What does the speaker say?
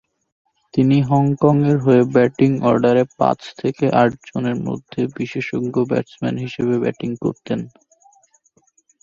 তিনি হংকংয়ের হয়ে ব্যাটিং অর্ডারে পাঁচ থেকে আট জনের মধ্যে বিশেষজ্ঞ ব্যাটসম্যান হিসেবে ব্যাটিং করতেন।